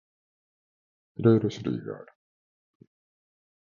いろいろ種類がある。